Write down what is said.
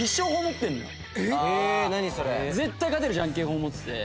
絶対勝てるじゃんけん法を持ってて。